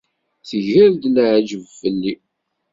Tger-d leεǧeb fell-i.